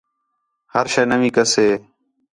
ہر شَے نَوی کَسے